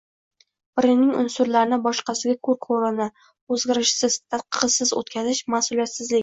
birining unsurlarini boshqasiga ko‘r-ko‘rona, o‘rganishsiz, tadqiqsiz o‘tkazish mas’uliyatsizlik